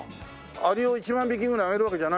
アリを１万匹ぐらいあげるわけじゃないの？